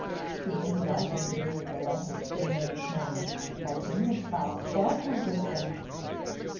"She is welcome to read the letter," said Mary, smiling; "thy semblance falleth short, my good friend."